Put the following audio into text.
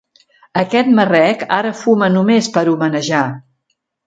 Aquest marrec, ara fuma només per homenejar.